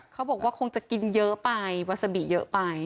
เขาบอกว่าคงจะกินเยอะไปวาซาบิเยอะไป